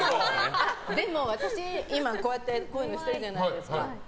でも私、今、こうやってこういうのしてるじゃないですか。